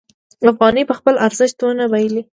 افغانۍ به خپل ارزښت ونه بایلي.